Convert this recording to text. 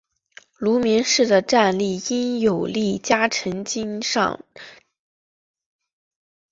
芦名氏的战力因有力家臣金上盛备和佐濑种常等人的战死而受到重大打击。